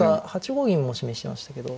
８五銀も示してましたけど。